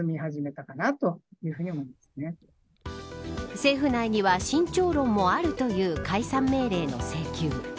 政府内には慎重論もあるという解散命令の請求。